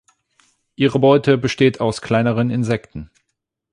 Ihre Beute besteht aus kleineren Insekten.